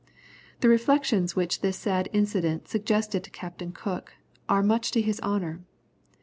The reflections which this sad incident suggested to Captain Cook, are much to his honour.